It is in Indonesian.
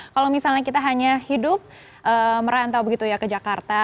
kalau misalnya kita hanya hidup merantau begitu ya ke jakarta